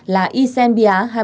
là ysen bia